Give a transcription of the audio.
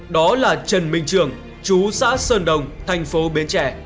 đó là trần minh trường chú xã sơn đồng thành phố bến trẻ